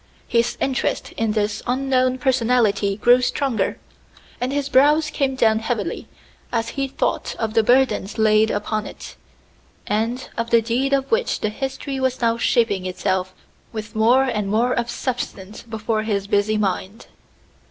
His interest in this unknown personality grew stronger; and his brows came down heavily as he thought of the burdens laid upon it, and of the deed of which the history was now shaping itself with more and more of substance before his busy mind.